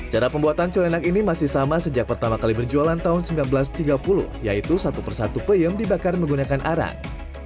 cara pembuatan colenak ini masih sama sejak pertama kali berjualan tahun seribu sembilan ratus tiga puluh yaitu satu persatu peyem dibakar menggunakan arang